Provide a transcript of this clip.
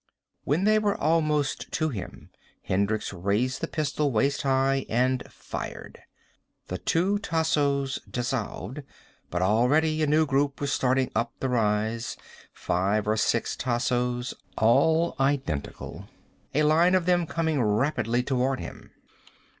When they were almost to him, Hendricks raised the pistol waist high and fired. The two Tassos dissolved. But already a new group was starting up the rise, five or six Tassos, all identical, a line of them coming rapidly toward him.